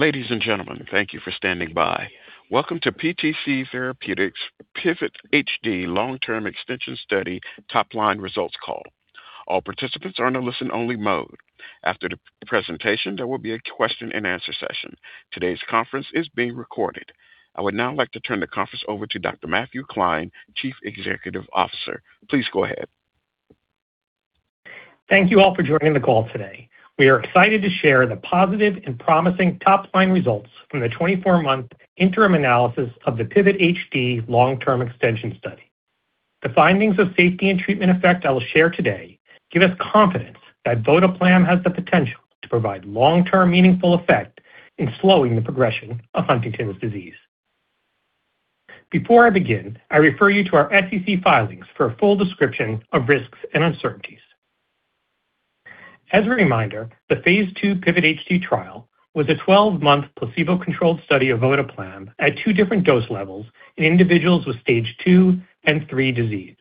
Ladies and gentlemen, thank you for standing by. Welcome to PTC Therapeutics' PIVOT-HD Long-term Extension Study Top-Line Results call. All participants are in a listen-only mode. After the presentation, there will be a question-and-answer session. Today's conference is being recorded. I would now like to turn the conference over to Dr. Matthew Klein, Chief Executive Officer. Please go ahead. Thank you all for joining the call today. We are excited to share the positive and promising top-line results from the 24-month interim analysis of the PIVOT-HD long-term extension study. The findings of safety and treatment effect I will share today give us confidence that Votoplam has the potential to provide long-term meaningful effect in slowing the progression of Huntington's disease. Before I begin, I refer you to our SEC filings for a full description of risks and uncertainties. As a reminder, the phase II PIVOT-HD trial was a 12-month placebo-controlled study of Votoplam at two different dose levels in individuals with Stage 2 and Stage 3 disease.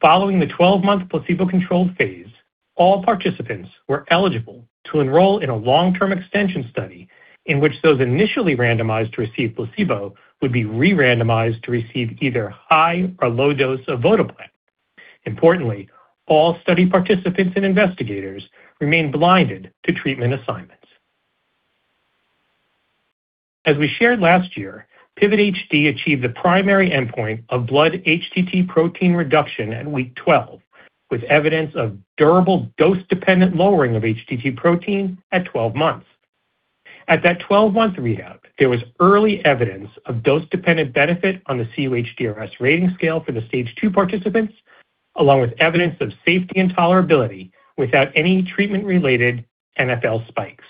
Following the 12-month placebo-controlled phase, all participants were eligible to enroll in a long-term extension study in which those initially randomized to receive placebo would be re-randomized to receive either high or low dose of Votoplam. Importantly, all study participants and investigators remain blinded to treatment assignments. As we shared last year, PIVOT-HD achieved the primary endpoint of blood HTT protein reduction at week 12, with evidence of durable dose-dependent lowering of HTT protein at 12 months. At that 12-month readout, there was early evidence of dose-dependent benefit on the cUHDRS rating scale for the Stage 2 participants, along with evidence of safety and tolerability without any treatment-related NfL spikes.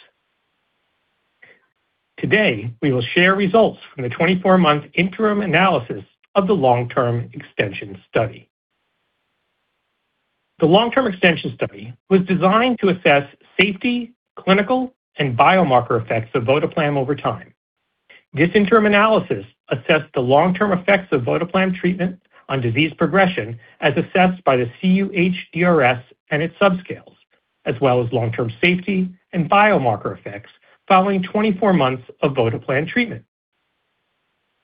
Today, we will share results from the 24-month interim analysis of the long-term extension study. The long-term extension study was designed to assess safety, clinical, and biomarker effects of Votoplam over time. This interim analysis assessed the long-term effects of Votoplam treatment on disease progression, as assessed by the cUHDRS and its subscales, as well as long-term safety and biomarker effects following 24 months of Votoplam treatment.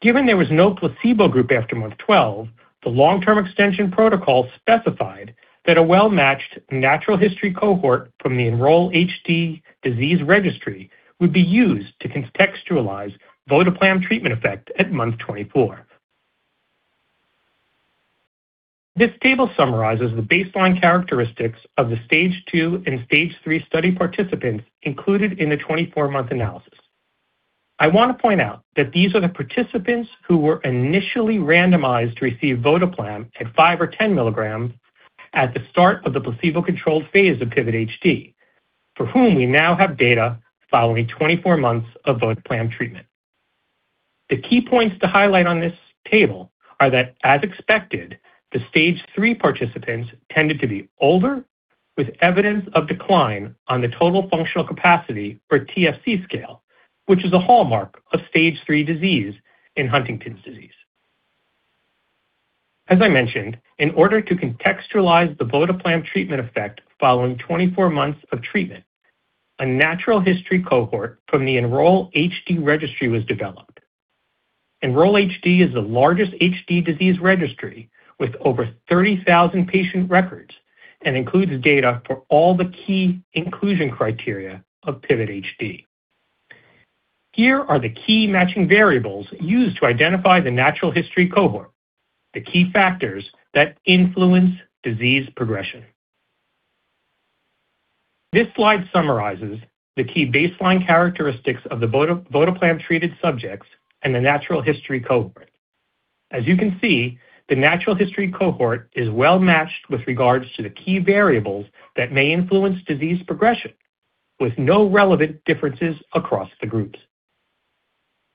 Given there was no placebo group after month 12, the long-term extension protocol specified that a well-matched natural history cohort from the Enroll-HD Disease Registry would be used to contextualize Votoplam treatment effect at month 24. This table summarizes the baseline characteristics of the Stage 2 and Stage 3 study participants included in the 24-month analysis. I want to point out that these are the participants who were initially randomized to receive Votoplam at 5 or 10 milligrams at the start of the placebo-controlled phase of PIVOT-HD, for whom we now have data following 24 months of Votoplam treatment. The key points to highlight on this table are that, as expected, the Stage 3 participants tended to be older, with evidence of decline on the total functional capacity for TFC scale, which is a hallmark of Stage 3 disease in Huntington's disease. As I mentioned, in order to contextualize the Votoplam treatment effect following 24 months of treatment, a natural history cohort from the Enroll-HD registry was developed. Enroll-HD is the largest HD disease registry with over 30,000 patient records and includes data for all the key inclusion criteria of PIVOT-HD. Here are the key matching variables used to identify the natural history cohort, the key factors that influence disease progression. This slide summarizes the key baseline characteristics of the Votoplam-treated subjects and the natural history cohort. As you can see, the natural history cohort is well-matched with regards to the key variables that may influence disease progression, with no relevant differences across the groups.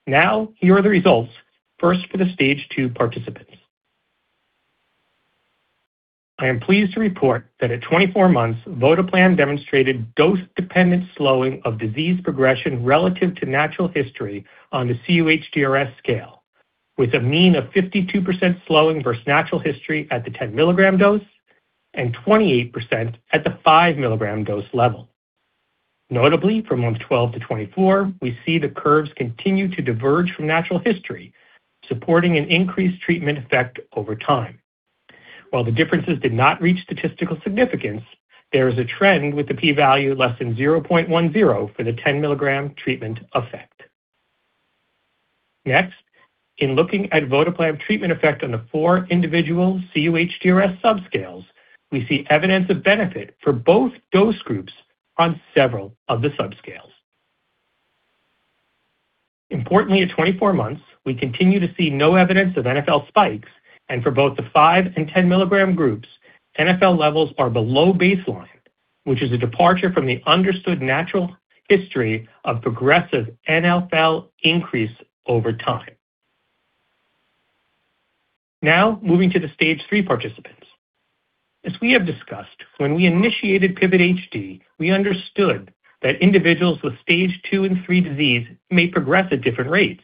Here are the results, first for the Stage 2 participants. I am pleased to report that at 24 months, Votoplam demonstrated dose-dependent slowing of disease progression relative to natural history on the cUHDRS scale, with a mean of 52% slowing versus natural history at the 10-milligram dose and 28% at the 5-milligram dose level. Notably, from month 12 to 24, we see the curves continue to diverge from natural history, supporting an increased treatment effect over time. While the differences did not reach statistical significance, there is a trend with the P value less than 0.10 for the 10-milligram treatment effect. Next, in looking at Votoplam treatment effect on the four individual cUHDRS subscales, we see evidence of benefit for both dose groups on several of the subscales. Importantly at 24 months, we continue to see no evidence of NfL spikes, and for both the 5 and 10-milligram groups, NfL levels are below baseline, which is a departure from the understood natural history of progressive NfL increase over time. Moving to the Stage III participants. As we have discussed, when we initiated PIVOT-HD, we understood that individuals with Stage 2 and 3 disease may progress at different rates.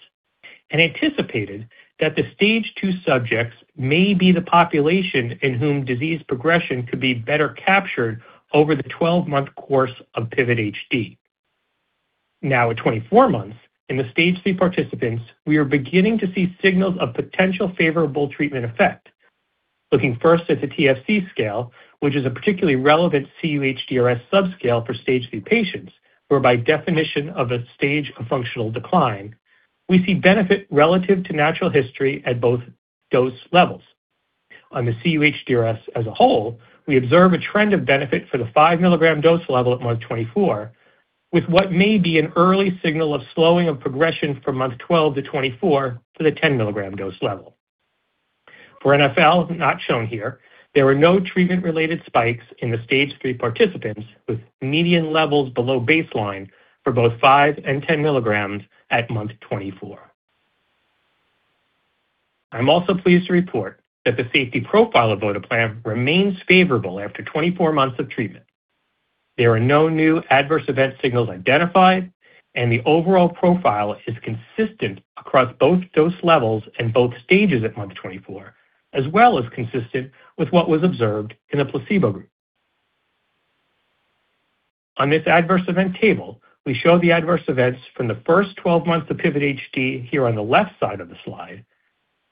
Anticipated that the Stage 2 subjects may be the population in whom disease progression could be better captured over the 12-month course of PIVOT-HD. At 24 months, in the Stage 3 participants, we are beginning to see signals of potential favorable treatment effect. Looking first at the TFC scale, which is a particularly relevant cUHDRS subscale for stage three patients, where by definition of a Stage, a functional decline, we see benefit relative to natural history at both dose levels. The cUHDRS as a whole, we observe a trend of benefit for the 5-milligram dose level at month 24, with what may be an early signal of slowing of progression from month 12 to 24 for the 10-milligram dose level. For NfL, not shown here, there were no treatment-related spikes in the Stage 3 participants, with median levels below baseline for both 5 and 10 milligrams at month 24. I am also pleased to report that the safety profile of Votoplam remains favorable after 24 months of treatment. There are no new adverse event signals identified, and the overall profile is consistent across both dose levels and both stages at month 24, as well as consistent with what was observed in the placebo group. On this adverse event table, we show the adverse events from the first 12 months of PIVOT-HD here on the left side of the slide,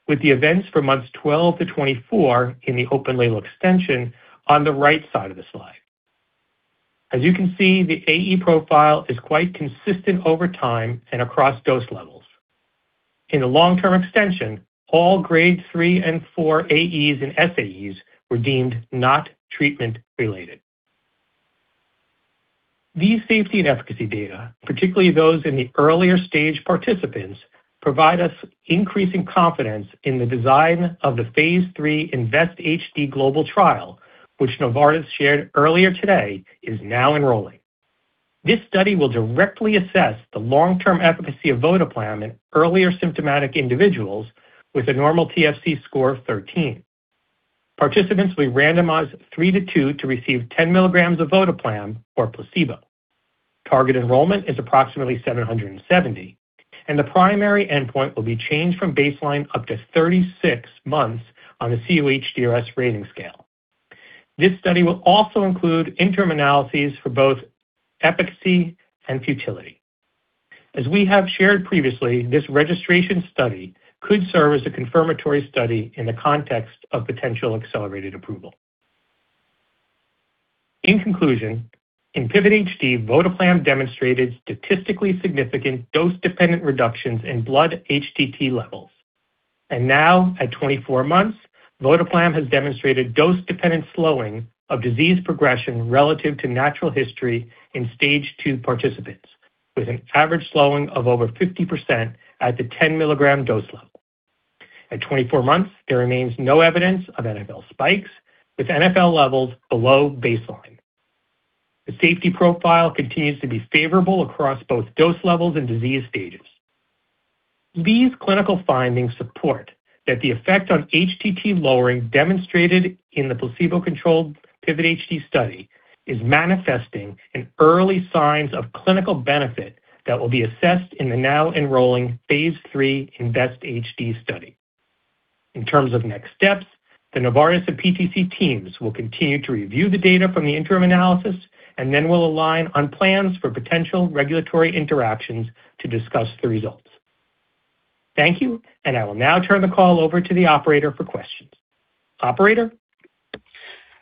with the events for months 12 to 24 in the open-label extension on the right side of the slide. As you can see, the AE profile is quite consistent over time and across dose levels. In the long-term extension, all Stage 3 and 4 AEs and SAEs were deemed not treatment related. These safety and efficacy data, particularly those in the earlier stage participants, provide us increasing confidence in the design of the phase III INVEST-HD global trial, which Novartis shared earlier today is now enrolling. This study will directly assess the long-term efficacy of Votoplam in earlier symptomatic individuals with a normal TFC score of 13. Participants will be randomized three to two to receive 10 milligrams of Votoplam or placebo. Target enrollment is approximately 770, the primary endpoint will be changed from baseline up to 36 months on a cUHDRS rating scale. This study will also include interim analyses for both efficacy and futility. As we have shared previously, this registration study could serve as a confirmatory study in the context of potential accelerated approval. In conclusion, in PIVOT-HD, Votoplam demonstrated statistically significant dose-dependent reductions in blood HTT levels. Now at 24 months, Votoplam has demonstrated dose-dependent slowing of disease progression relative to natural history in Stage 2 participants, with an average slowing of over 50% at the 10-milligram dose level. At 24 months, there remains no evidence of NfL spikes, with NfL levels below baseline. The safety profile continues to be favorable across both dose levels and disease stages. These clinical findings support that the effect on HTT lowering demonstrated in the placebo-controlled PIVOT-HD study is manifesting in early signs of clinical benefit that will be assessed in the now enrolling phase III INVEST-HD study. In terms of next steps, the Novartis and PTC teams will continue to review the data from the interim analysis and then will align on plans for potential regulatory interactions to discuss the results. Thank you, and I will now turn the call over to the operator for questions. Operator?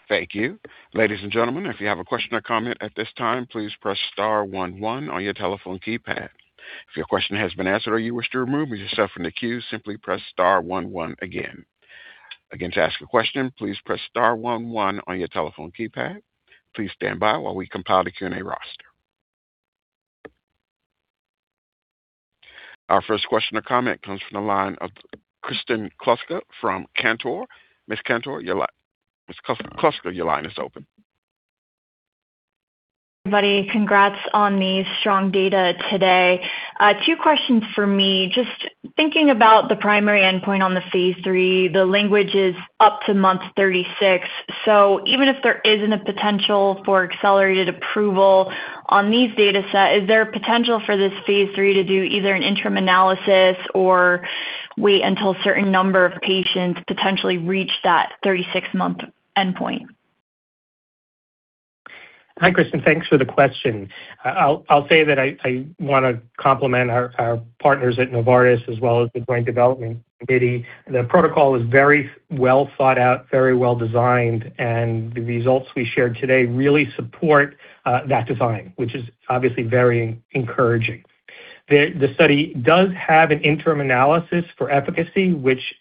Thank you. Ladies and gentlemen, if you have a question or comment at this time, please press star one one on your telephone keypad. If your question has been answered or you wish to remove yourself from the queue, simply press star one one again. Again, to ask a question, please press star one one on your telephone keypad. Please stand by while we compile the Q&A roster. Our first question or comment comes from the line of Kristen Kluska from Cantor. Miss Kluska, your line is open. Everybody, congrats on the strong data today. Two questions for me. Just thinking about the primary endpoint on the phase III, the language is up to month 36. Even if there isn't a potential for accelerated approval on these data set, is there a potential for this phase III to do either an interim analysis or wait until a certain number of patients potentially reach that 36-month endpoint? Hi Kristen. Thanks for the question. I'll say that I wanna compliment our partners at Novartis, as well as the joint development committee. The protocol is very well thought out, very well designed. The results we shared today really support that design, which is obviously very encouraging. The study does have an interim analysis for efficacy, which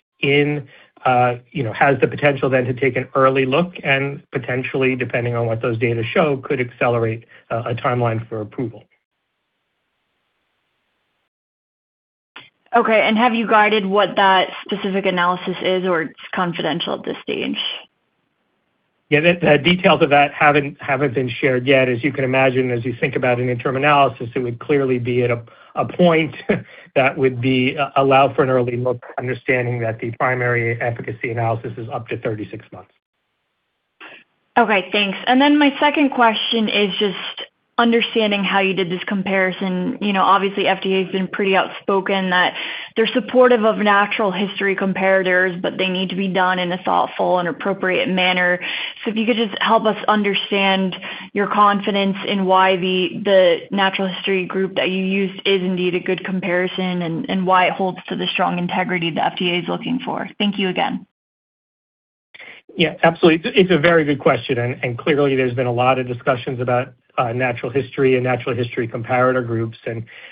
you know, has the potential then to take an early look and potentially depending on what those data show, could accelerate a timeline for approval. Okay, have you guided what that specific analysis is, or it's confidential at this stage? Yeah, the details of that haven't been shared yet. As you can imagine, as you think about an interim analysis, it would clearly be at a point that would be allow for an early look, understanding that the primary efficacy analysis is up to 36 months. Okay thanks. My second question is just understanding how you did this comparison. You know obviously, FDA has been pretty outspoken that they're supportive of natural history comparators, they need to be done in a thoughtful and appropriate manner. If you could just help us understand your confidence in why the natural history group that you used is indeed a good comparison and why it holds to the strong integrity the FDA is looking for. Thank you again. Yeah, absolutely. It's a very good question. Clearly there's been a lot of discussions about natural history and natural history comparator groups.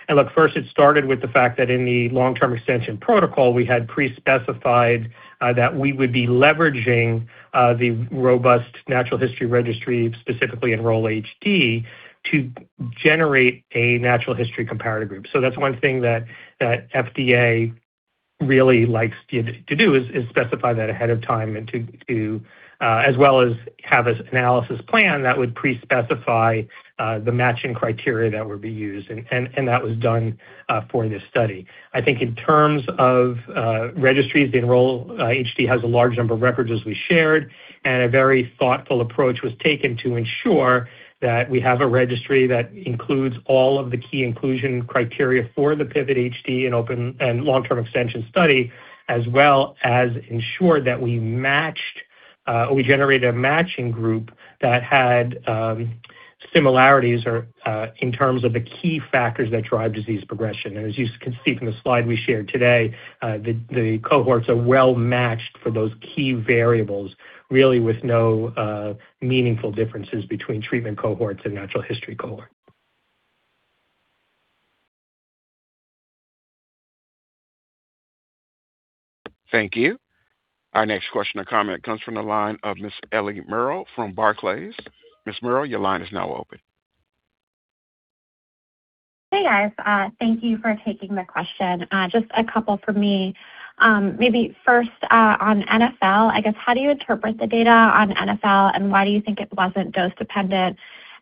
Look, first it started with the fact that in the long-term extension protocol, we had pre-specified that we would be leveraging the robust natural history registry, specifically Enroll-HD, to generate a natural history comparator group. That's one thing that FDA really likes you to do is specify that ahead of time and to as well as have an analysis plan that would pre-specify the matching criteria that would be used. That was done for this study. I think in terms of registries, the Enroll-HD has a large number of records as we shared, and a very thoughtful approach was taken to ensure that we have a registry that includes all of the key inclusion criteria for the PIVOT-HD and open and long-term extension study, as well as ensure that we matched, or we generated a matching group that had similarities or in terms of the key factors that drive disease progression. As you can see from the slide we shared today, the cohorts are well-matched for those key variables, really with no meaningful differences between treatment cohorts and natural history cohort. Thank you. Our next question or comment comes from the line of Ms. Ellie Merle from Barclays. Ms. Merle, your line is now open. Hey guys. Thank you for taking the question. Just a couple for me. Maybe first, on NfL, I guess how do you interpret the data on NfL and why do you think it wasn't dose-dependent?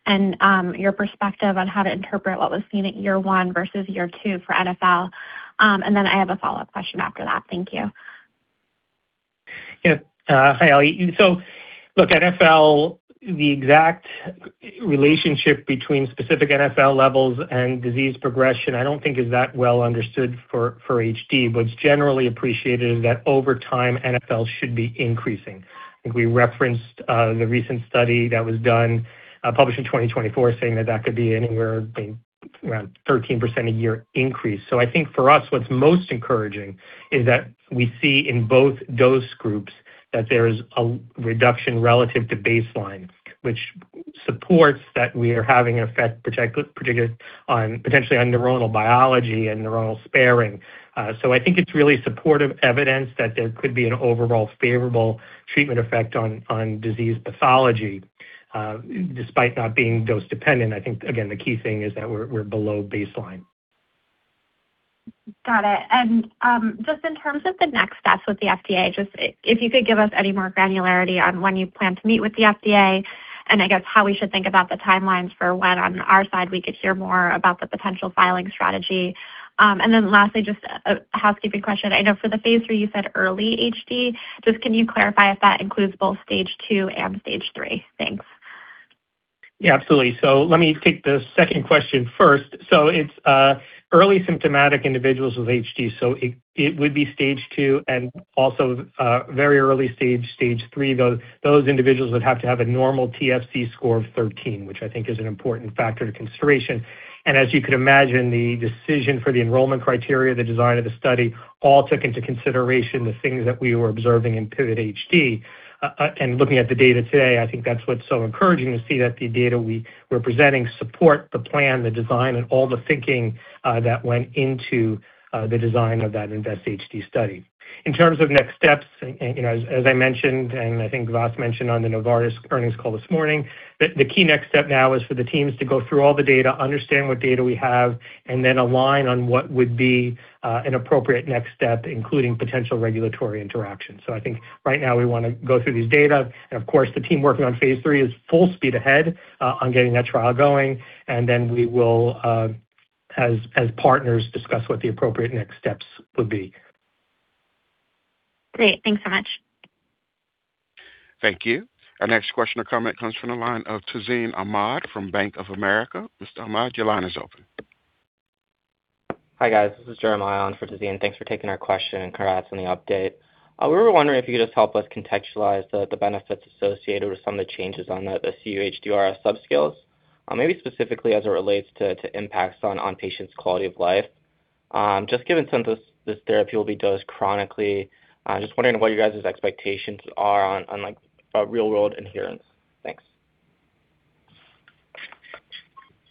Your perspective on how to interpret what was seen at year one versus year two for NfL. I have a follow-up question after that. Thank you. Yeah Hi, Ellie. Look, NfL, the exact relationship between specific NfL levels and disease progression, I don't think is that well understood for HD. What's generally appreciated is that over time, NfL should be increasing. I think we referenced the recent study that was done, published in 2024 saying that that could be anywhere being around 13% a year increase. I think for us, what's most encouraging is that we see in both dose groups that there is a reduction relative to baseline, which supports that we are having an effect, particularly on potentially on neuronal biology and neuronal sparing. I think it's really supportive evidence that there could be an overall favorable treatment effect on disease pathology, despite not being dose-dependent. I think again, the key thing is that we're below baseline. Got it. Just in terms of the next steps with the FDA, if you could give us any more granularity on when you plan to meet with the FDA, and I guess how we should think about the timelines for when on our side we could hear more about the potential filing strategy. Lastly, just a housekeeping question. I know for the phase III, you said early HD. Can you clarify if that includes both Stage 2 and Stage 3? Thanks. Yeah, absolutely. Let me take the second question first. It's early symptomatic individuals with HD. It would be Stage 2 and also very early Stage 3. Those individuals would have to have a normal TFC score of 13, which I think is an important factor to consideration. As you could imagine, the decision for the enrollment criteria, the design of the study, all took into consideration the things that we were observing in PIVOT-HD. Looking at the data today, I think that's what's so encouraging to see that the data we're presenting support the plan, the design, and all the thinking that went into the design of that INVEST-HD study. In terms of next steps, as I mentioned, and I think Vas mentioned on the Novartis earnings call this morning, the key next step now is for the teams to go through all the data, understand what data we have, and then align on what would be an appropriate next step, including potential regulatory interactions. I think right now we wanna go through these data. Of course, the team working on phase III is full speed ahead, on getting that trial going. Then we will, as partners, discuss what the appropriate next steps would be. Great. Thanks so much. Thank you. Our next question or comment comes from the line of Tazeen Ahmad from Bank of America. Mr. Ahmad, your line is open. Hi, guys. This is Jeremiah on for Tazeen. Thanks for taking our question, congrats on the update. We were wondering if you could just help us contextualize the benefits associated with some of the changes on the cUHDRS subscales, maybe specifically as it relates to impacts on patients' quality of life. Just given since this therapy will be dosed chronically, just wondering what you guys' expectations are on, like, real-world adherence. Thanks.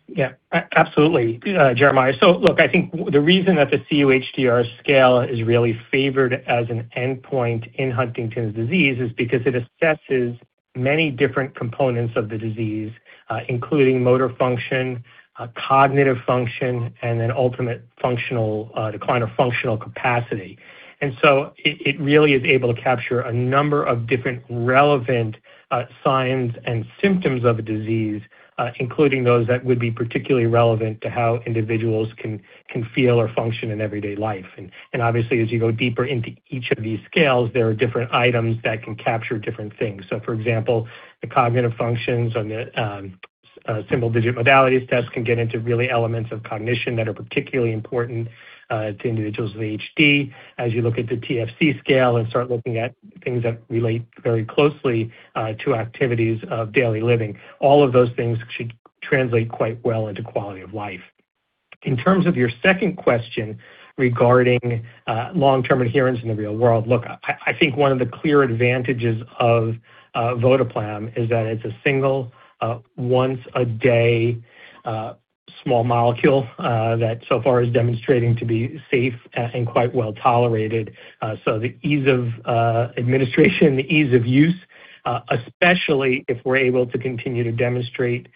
Yeah. absolutely, Jeremiah. Look, I think the reason that the cUHDRS is really favored as an endpoint in Huntington's disease is because it assesses many different components of the disease, including motor function, cognitive function, and then ultimate functional decline of functional capacity. It, it really is able to capture a number of different relevant signs and symptoms of a disease, including those that would be particularly relevant to how individuals can feel or function in everyday life. Obviously, as you go deeper into each of these scales, there are different items that can capture different things. For example, the cognitive functions on the Symbol Digit Modalities Test can get into really elements of cognition that are particularly important to individuals with HD. As you look at the TFC scale and start looking at things that relate very closely, to activities of daily living. All of those things should translate quite well into quality of life. In terms of your second question regarding, long-term adherence in the real world, look, I think one of the clear advantages of Votoplam is that it's a single, once a day, small molecule, that so far is demonstrating to be safe and quite well-tolerated. So the ease of administration, the ease of use, especially if we're able to continue to demonstrate,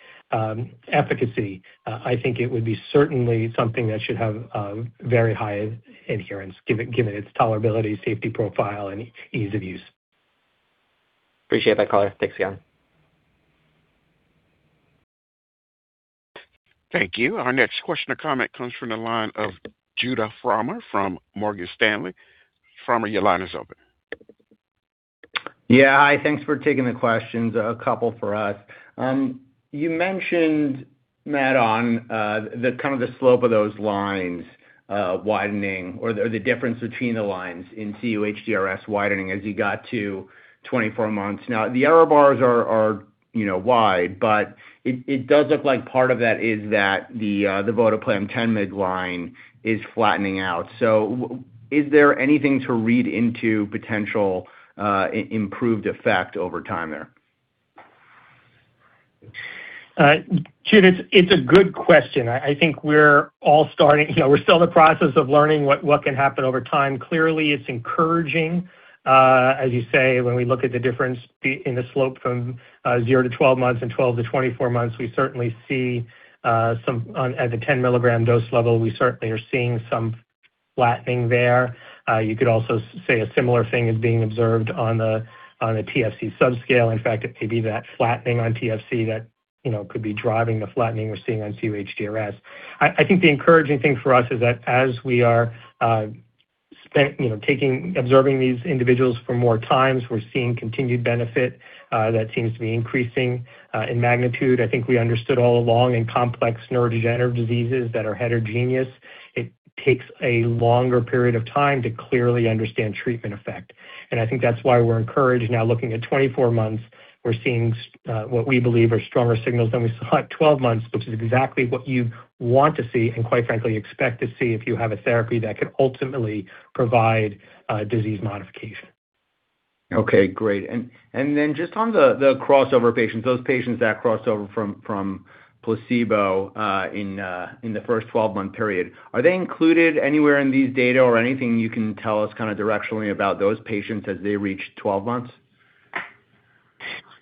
efficacy, I think it would be certainly something that should have a very high adherence given its tolerability, safety profile, and ease of use. Appreciate that, color. Thanks again. Thank you. Our next question or comment comes from the line of Judah Frommer from Morgan Stanley. Frommer, your line is open. Yeah. Hi, thanks for taking the questions. A couple for us. You mentioned, Matt, on the kind of the slope of those lines widening or the difference between the lines in cUHDRS widening as you got to 24 months. Now, the error bars are, you know, wide, but it does look like part of that is that the Votoplam 10 mid line is flattening out. Is there anything to read into potential improved effect over time there? Judah, it's a good question. I think we're all starting. You know, we're still in the process of learning what can happen over time. Clearly, it's encouraging. As you say, when we look at the difference in the slope from zero to 12 months and 12 to 24 months, we certainly see some, at the 10-milligram dose level, we certainly are seeing some flattening there. You could also say a similar thing is being observed on the TFC subscale. In fact, it could be that flattening on TFC that, you know, could be driving the flattening we're seeing on cUHDRS. I think the encouraging thing for us is that as we are, you know, taking, observing these individuals for more times, we're seeing continued benefit that seems to be increasing in magnitude. I think we understood all along in complex neurodegenerative diseases that are heterogeneous, it takes a longer period of time to clearly understand treatment effect. I think that's why we're encouraged now looking at 24 months, we're seeing what we believe are stronger signals than we saw at 12 months, which is exactly what you want to see and, quite frankly, expect to see if you have a therapy that could ultimately provide disease modification. Okay, great. Just on the crossover patients, those patients that crossover from placebo in the first 12-month period, are they included anywhere in these data or anything you can tell us kinda directionally about those patients as they reach 12 months?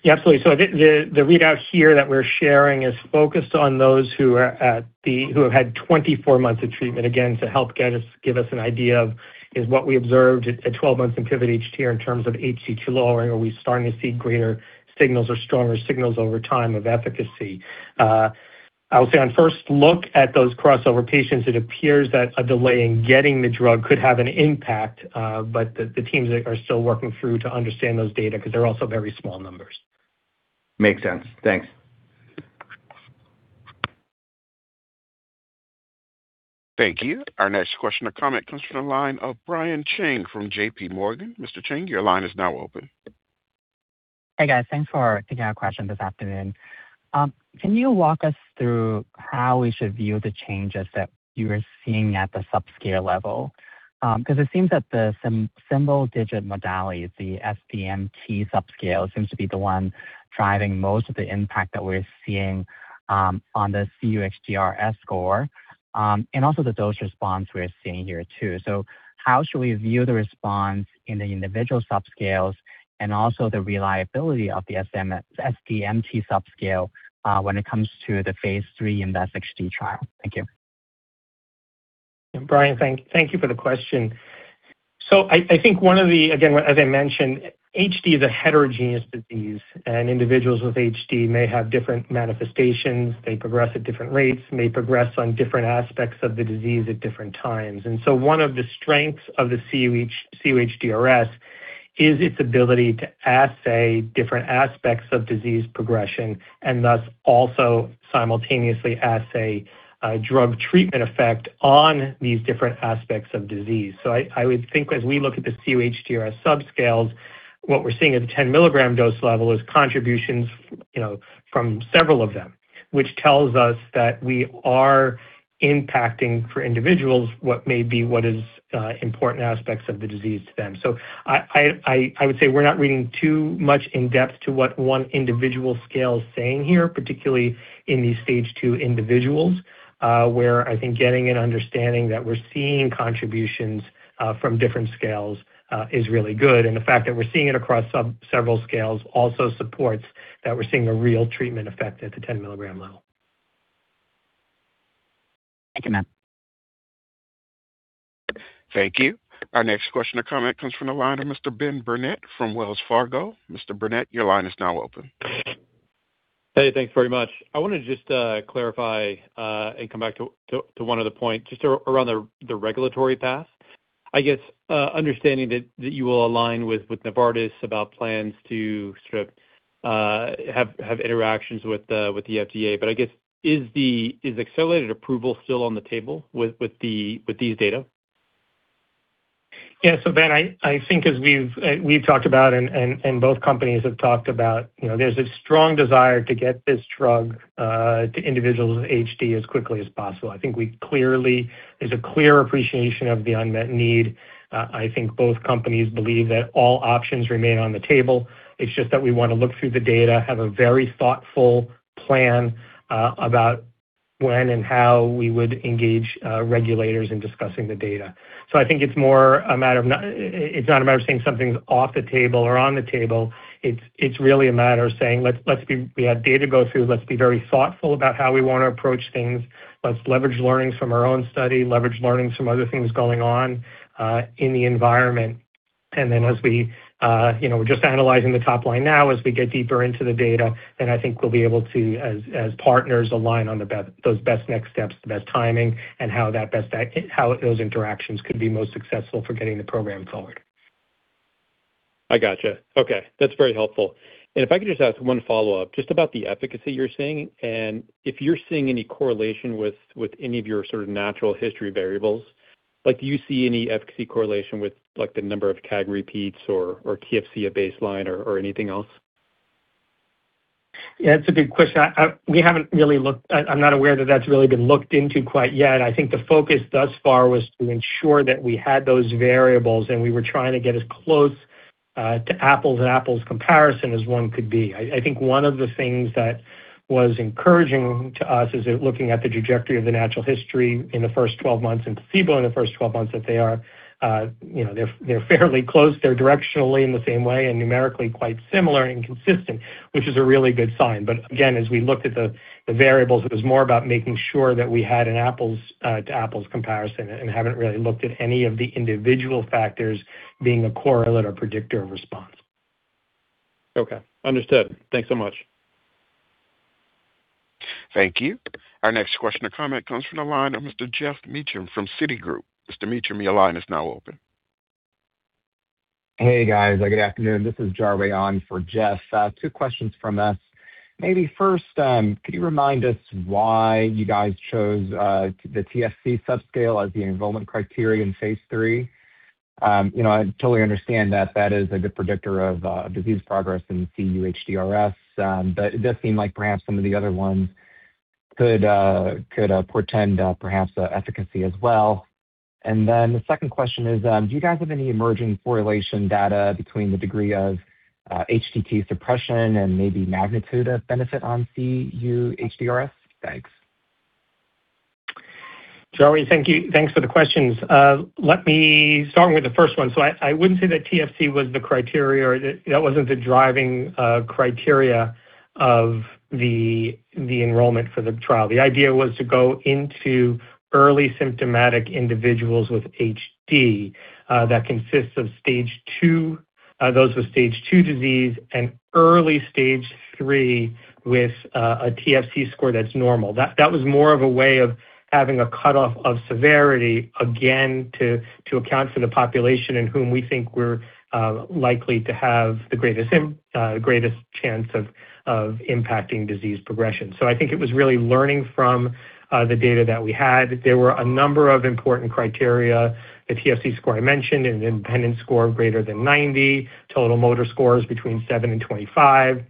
Yeah, absolutely. The readout here that we're sharing is focused on those who have had 24 months of treatment, again, to help get us, give us an idea of is what we observed at 12 months in PIVOT-HD here in terms of HTT lowering. Are we starting to see greater signals or stronger signals over time of efficacy? I would say on first look at those crossover patients, it appears that a delay in getting the drug could have an impact, but the teams are still working through to understand those data 'cause they're also very small numbers. Makes sense. Thanks. Thank you. Our next question or comment comes from the line of Brian Cheng from JPMorgan. Mr. Cheng, your line is now open. Hey, guys. Thanks for taking our question this afternoon. Can you walk us through how we should view the changes that you are seeing at the subscale level? 'Cause it seems that the symbol digit modality, the SDMT subscale, seems to be the one driving most of the impact that we're seeing on the cUHDRS score and also the dose response we're seeing here too. How should we view the response in the individual subscales and also the reliability of the SDMT subscale when it comes to the phase III and the Stage 3 trial? Thank you. Brian, thank you for the question. Again, as I mentioned, HD is a heterogeneous disease. Individuals with HD may have different manifestations, they progress at different rates, may progress on different aspects of the disease at different times. One of the strengths of the cUHDRS is its ability to assay different aspects of disease progression and thus also simultaneously assay drug treatment effect on these different aspects of disease. I would think as we look at the cUHDRS subscales, what we're seeing at the 10-milligram dose level is contributions, you know, from several of them, which tells us that we are impacting for individuals what may be what is important aspects of the disease to them. I would say we're not reading too much in depth to what one individual scale is saying here, particularly in these Stage 2 individuals, where I think getting an understanding that we're seeing contributions from different scales is really good. The fact that we're seeing it across several scales also supports that we're seeing a real treatment effect at the 10-milligram level. Thank you, Matt. Thank you. Our next question or comment comes from the line of Mr. Ben Burnett from Wells Fargo. Mr. Burnett, your line is now open. Hey, thanks very much. I wanna just clarify and come back to one other point just around the regulatory path. I guess, understanding that you will align with Novartis about plans to sort of have interactions with the FDA. I guess, is accelerated approval still on the table with these data? Yeah. Ben, I think as we've talked about and both companies have talked about, you know, there's a strong desire to get this drug to individuals with HD as quickly as possible. There's a clear appreciation of the unmet need. I think both companies believe that all options remain on the table. It's just that we want to look through the data, have a very thoughtful plan about when and how we would engage regulators in discussing the data. I think it's more a matter of it's not a matter of saying something's off the table or on the table. It's really a matter of saying, "Let's. We have data to go through. Let's be very thoughtful about how we want to approach things. Let's leverage learnings from our own study, leverage learnings from other things going on in the environment. Then as we, you know, we're just analyzing the top line now. As we get deeper into the data, then I think we'll be able to, as partners, align on those best next steps, the best timing, and how those interactions could be most successful for getting the program forward. I gotcha. Okay. That's very helpful. If I could just ask one follow-up, just about the efficacy you're seeing, and if you're seeing any correlation with any of your sort of natural history variables. Like, do you see any efficacy correlation with like, the number of CAG repeats or TFC at baseline or anything else? Yeah, it's a good question. I'm not aware that that's really been looked into quite yet. I think the focus thus far was to ensure that we had those variables, and we were trying to get as close to apples and apples comparison as one could be. I think one of the things that was encouraging to us is that looking at the trajectory of the natural history in the first 12 months in placebo and the first 12 months that they are, you know, they're fairly close. They're directionally in the same way and numerically quite similar and consistent, which is a really good sign. Again, as we looked at the variables, it was more about making sure that we had an apples to apples comparison and haven't really looked at any of the individual factors being a correlate or predictor of response. Okay. Understood. Thanks so much. Thank you. Our next question or comment comes from the line of Mr. Geoff Meacham from Citigroup. Mr. Meacham, your line is now open. Hey, guys. Good afternoon. This is for Geoff. Two questions from us. Maybe first, could you remind us why you guys chose the TFC subscale as the enrollment criteria in phase III? You know, I totally understand that that is a good predictor of disease progress in cUHDRS, but it does seem like perhaps some of the other ones could portend perhaps efficacy as well. Then the second question is, do you guys have any emerging correlation data between the degree of HTT suppression and maybe magnitude of benefit on cUHDRS? Thanks. thank you. Thanks for the questions. Let me start with the first one. I wouldn't say that TFC was the criteria. That wasn't the driving criteria of the enrollment for the trial. The idea was to go into early symptomatic individuals with HD that consists of Stage 2, those with Stage 2 disease and early Stage 3 with a TFC score that's normal. That was more of a way of having a cutoff of severity, again, to account for the population in whom we think we're likely to have the greatest chance of impacting disease progression. I think it was really learning from the data that we had. There were a number of important criteria. The TFC score I mentioned, an independence score greater than 90, total motor scores between 7 and 25,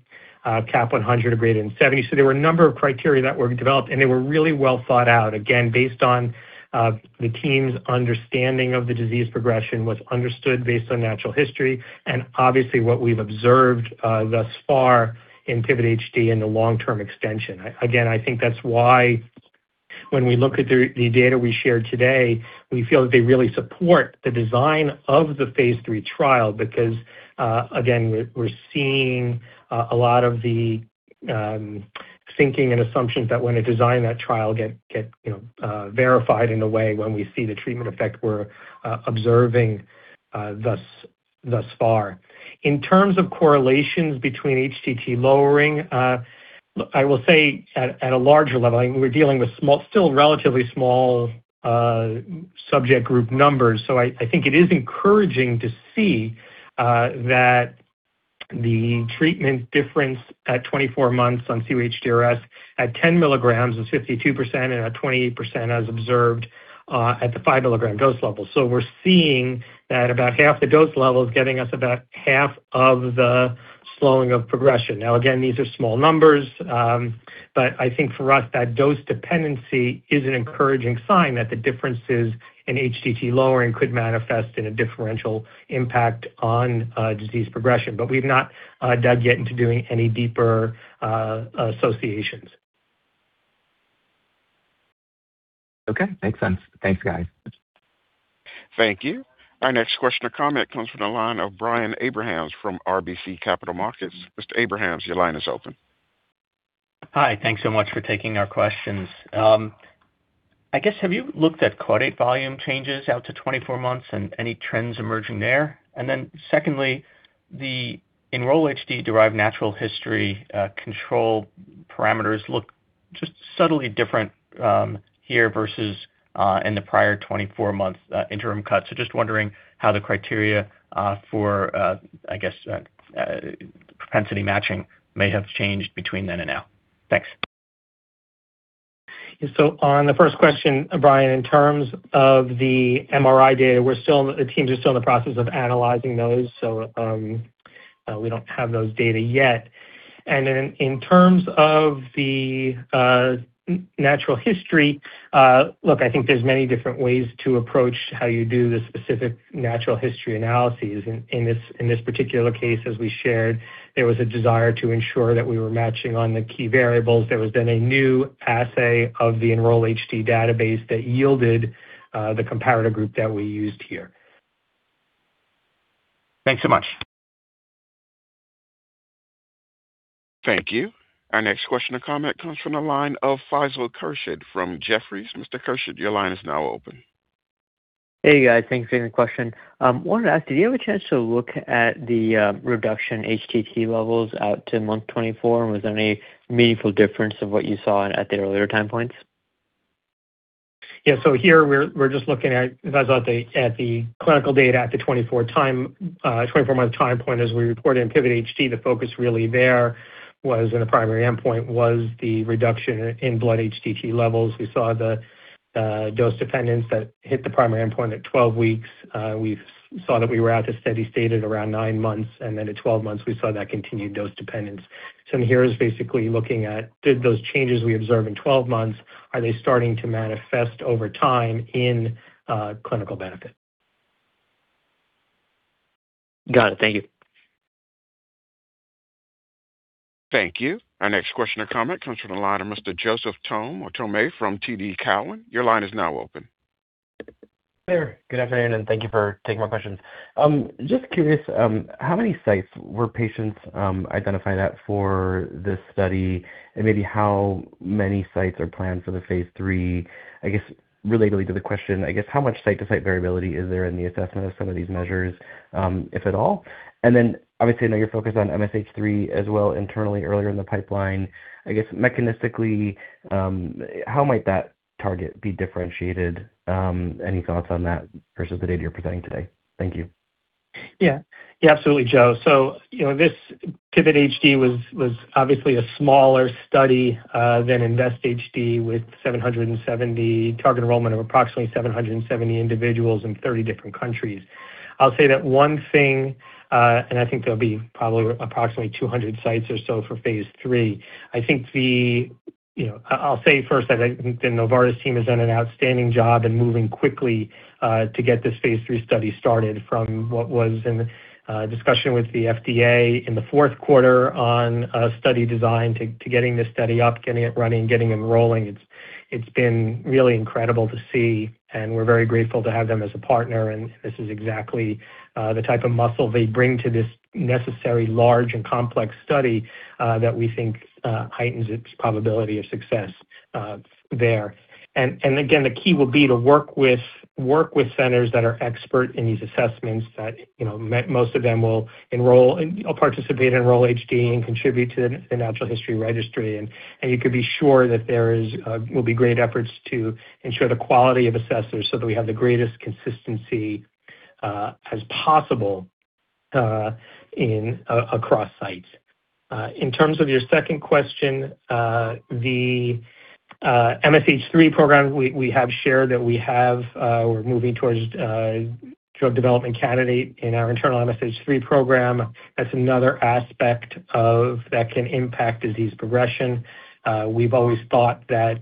CAP-100 of greater than 70. There were a number of criteria that were developed, and they were really well thought out, again, based on the team's understanding of the disease progression, what's understood based on natural history, and obviously what we've observed thus far in PIVOT-HD and the long-term extension. Again, I think that's why when we look at the data we shared today, we feel that they really support the design of the phase III trial because, again, we're seeing a lot of the thinking and assumptions that went to design that trial get, you know, verified in a way when we see the treatment effect we're observing thus far. In terms of correlations between HTT lowering, I will say at a larger level, I mean, we're dealing with small, still relatively small, subject group numbers. I think it is encouraging to see that the treatment difference at 24 months on cUHDRS at 10 milligrams was 52% and at 28% as observed at the 5-milligram dose level. We're seeing that about half the dose level is getting us about half of the slowing of progression. Again, these are small numbers. I think for us, that dose dependency is an encouraging sign that the differences in HTT lowering could manifest in a differential impact on disease progression. We've not dug yet into doing any deeper associations. Okay. Makes sense. Thanks, guys. Thank you. Our next question or comment comes from the line of Brian Abrahams from RBC Capital Markets. Mr. Abrahams, your line is open. Hi. Thanks so much for taking our questions. I guess, have you looked at caudate volume changes out to 24 months and any trends emerging there? Secondly, the Enroll-HD derived natural history, control parameters look. Just subtly different here versus, in the prior 24 months, interim cuts. Just wondering how the criteria for, I guess propensity matching may have changed between then and now. Thanks. Yeah. On the first question, Brian in terms of the MRI data, the teams are still in the process of analyzing those, so we don't have those data yet. In terms of the natural history look, I think there's many different ways to approach how you do the specific natural history analyses. In this particular case, as we shared, there was a desire to ensure that we were matching on the key variables. There was then a new assay of the Enroll-HD database that yielded the comparator group that we used here. Thanks so much. Thank you. Our next question or comment comes from the line of Faisal Khurshid from Jefferies. Mr. Khurshid, your line is now open. Hey, guys. Thanks for taking the question. wanted to ask, did you have a chance to look at the reduction HTT levels out to month 24? Was there any meaningful difference of what you saw at the earlier time points? Here we're just looking at, Faisal, at the clinical data at the 24-month time point. As we reported in PIVOT-HD, the focus really there was in the primary endpoint was the reduction in blood HTT levels. We saw the dose dependence that hit the primary endpoint at 12 weeks. We saw that we were at the steady state at around nine months, and then at 12 months we saw that continued dose dependence. In here is basically looking at did those changes we observe in 12 months, are they starting to manifest over time in clinical benefit. Got it. Thank you. Thank you. Our next question or comment comes from the line of Mr. Joseph Thome from TD Cowen. Your line is now open. Hey there. Good afternoon, and thank you for taking my questions. Just curious, how many sites were patients identified at for this study? Maybe how many sites are planned for the phase III? I guess related to the question, I guess, how much site-to-site variability is there in the assessment of some of these measures, if at all? Obviously, I know you're focused on MSH3 as well internally earlier in the pipeline. I guess mechanistically, how might that target be differentiated? Any thoughts on that versus the data you're presenting today? Thank you. Yeah, absolutely Joe. You know, this PIVOT-HD was obviously a smaller study than INVEST-HD, with target enrollment of approximately 770 individuals in 30 different countries. I'll say that one thing, I think there'll be probably approximately 200 sites or so for phase III. You know, I'll say first I think the Novartis team has done an outstanding job in moving quickly to get this phase III study started from what was in discussion with the FDA in the fourth quarter on a study design to getting this study up, getting it running, getting enrolling. It's been really incredible to see, and we're very grateful to have them as a partner, and this is exactly the type of muscle they bring to this necessary large and complex study that we think heightens its probability of success there. Again, the key will be to work with centers that are expert in these assessments that, you know, most of them will enroll and participate in Enroll-HD and contribute to the Natural History Registry. You can be sure that there will be great efforts to ensure the quality of assessors so that we have the greatest consistency as possible across sites. In terms of your second question, the MSH3 program, we have shared that we have, we're moving towards drug development candidate in our internal MSH3 program. That's another aspect of that can impact disease progression. We've always thought that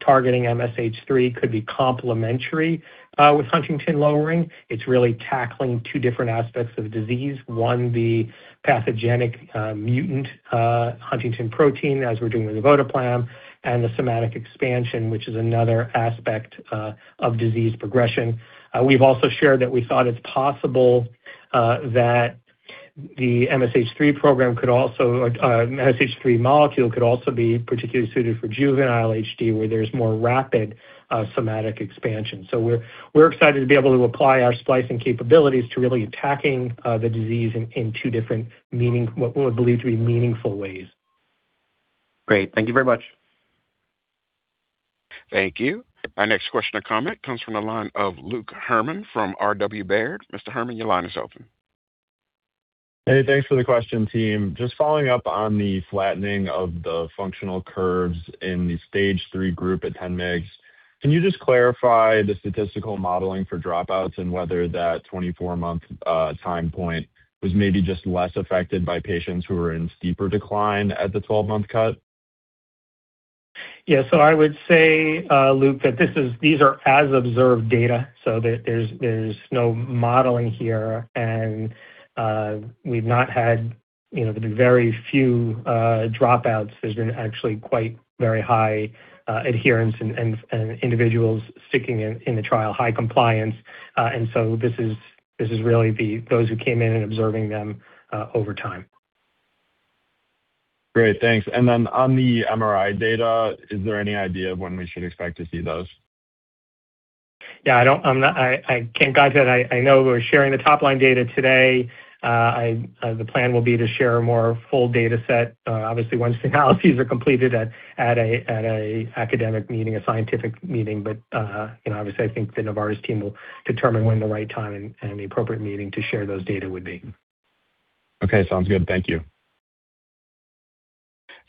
targeting MSH3 could be complementary with huntingtin lowering. It's really tackling two different aspects of the disease. One, the pathogenic, mutant, huntingtin protein, as we're doing with Votoplam, and the somatic expansion, which is another aspect of disease progression. We've also shared that we thought it's possible that the MSH3 molecule could also be particularly suited for juvenile HD, where there's more rapid somatic expansion. We're excited to be able to apply our splicing capabilities to really attacking the disease in two different what we believe to be meaningful ways. Great. Thank you very much. Thank you. Our next question or comment comes from the line of Luke Herrmann from R.W. Baird. Mr. Herrmann, your line is open. Hey, thanks for the question, team. Just following up on the flattening of the functional curves in the Stage 3 group at 10 mgs, can you just clarify the statistical modeling for dropouts and whether that 24-month time point was maybe just less affected by patients who were in steeper decline at the 12-month cut? Yeah. I would say, Luke, that these are as observed data, so there's no modeling here. We've not had, you know there's been very few dropouts. There's been actually quite very high adherence and individuals sticking in the trial high compliance. This is really those who came in and observing them over time. Great. Thanks. On the MRI data, is there any idea of when we should expect to see those? Yeah, I can't guide to that. I know we're sharing the top-line data today. I, the plan will be to share a more full data set, obviously once analyses are completed at a academic meeting, a scientific meeting. You know, obviously, I think the Novartis team will determine when the right time and the appropriate meeting to share those data would be. Okay, sounds good. Thank you.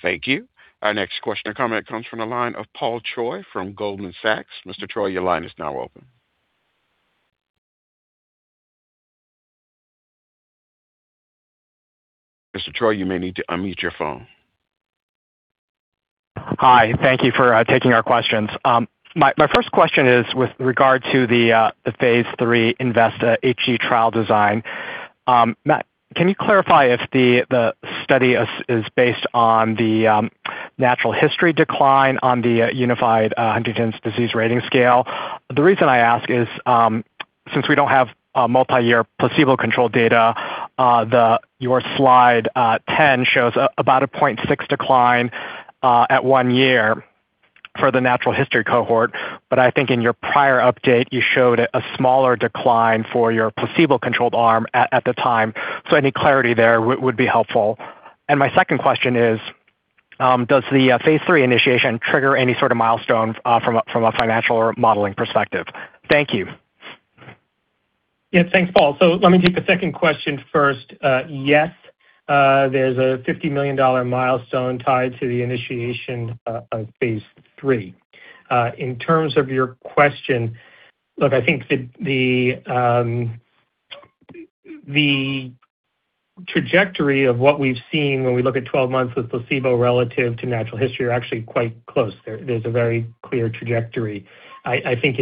Thank you. Our next question or comment comes from the line of Paul Choi from Goldman Sachs. Mr. Choi, your line is now open. Mr. Choi, you may need to unmute your phone. Hi. Thank you for taking our questions. My first question is with regard to the phase III INVEST-HD trial design. Matt, can you clarify if the study is based on the natural history decline on the unified Huntington's disease rating scale? The reason I ask is since we don't have a multiyear placebo-controlled data, your slide 10 shows about a 0.6 decline at one year for the natural history cohort, but I think in your prior update you showed a smaller decline for your placebo-controlled arm at the time. Any clarity there would be helpful. My second question is, does the phase III initiation trigger any sort of milestones from a financial or modeling perspective? Thank you. Thanks, Paul. Let me take the second question first. Yes, there's a $50 million milestone tied to the initiation of phase III. In terms of your question look, I think the trajectory of what we've seen when we look at 12 months with placebo relative to natural history are actually quite close. There's a very clear trajectory. I think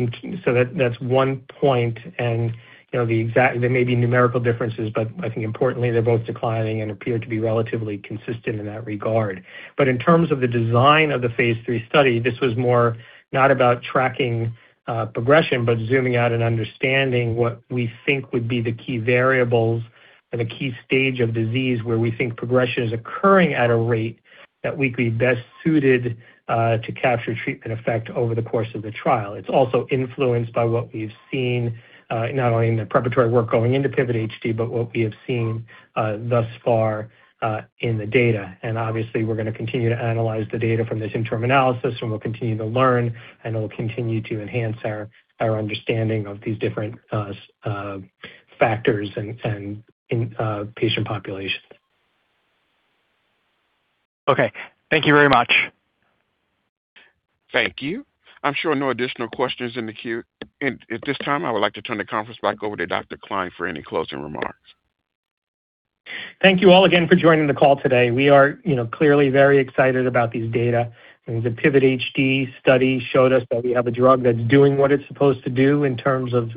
that's one point. You know, there may be numerical differences, but I think importantly, they're both declining and appear to be relatively consistent in that regard. In terms of the design of the phase III study, this was more not about tracking progression, but zooming out and understanding what we think would be the key variables and the key stage of disease where we think progression is occurring at a rate that we'd be best suited to capture treatment effect over the course of the trial. It's also influenced by what we've seen not only in the preparatory work going into PIVOT-HD, but what we have seen thus far in the data. Obviously, we're gonna continue to analyze the data from this interim analysis, and we'll continue to learn, and we'll continue to enhance our understanding of these different factors and in patient populations. Okay. Thank you very much. Thank you. I'm showing no additional questions in the queue. At this time, I would like to turn the conference back over to Dr. Klein for any closing remarks. Thank you all again for joining the call today. We are, you know, clearly very excited about these data. I mean, the PIVOT-HD study showed us that we have a drug that's doing what it's supposed to do in terms of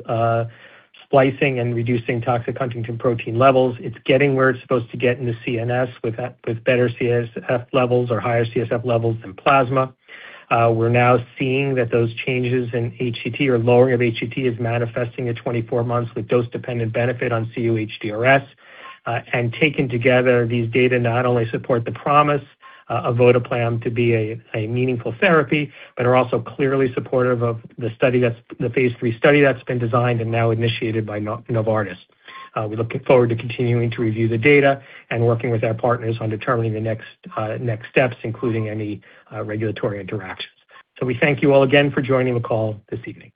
splicing and reducing toxic huntingtin protein levels. It's getting where it's supposed to get in the CNS with better CSF levels or higher CSF levels than plasma. We're now seeing that those changes in HTT or lowering of HTT is manifesting at 24 months with dose-dependent benefit on cUHDRS. Taken together, these data not only support the promise of Votoplam to be a meaningful therapy, but are also clearly supportive of the study that's the phase III study that's been designed and now initiated by Novartis. We're looking forward to continuing to review the data and working with our partners on determining the next next steps, including any regulatory interactions. We thank you all again for joining the call this evening.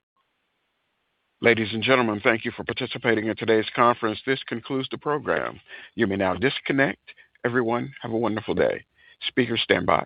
Ladies and gentlemen, thank you for participating in today's conference. This concludes the program. You may now disconnect. Everyone, have a wonderful day. Speakers stand by.